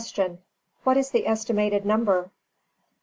_What is the estimated number?